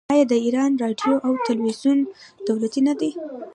آیا د ایران راډیو او تلویزیون دولتي نه دي؟